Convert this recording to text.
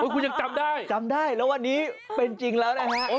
คุณยังจำได้จำได้แล้ววันนี้เป็นจริงแล้วนะฮะ